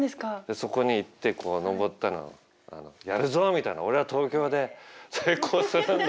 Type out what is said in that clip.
そこに行ってこう上ったら「やるぞ！」みたいな「俺は東京で成功するんだ！」